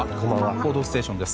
「報道ステーション」です。